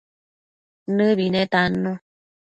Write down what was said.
Nëbi netannu